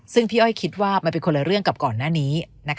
ซึ่งพี่อ้อยคิดว่ามันเป็นคนละเรื่องกับก่อนหน้านี้